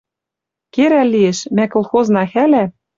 Керӓл лиэш, мӓ колхозна хӓлӓ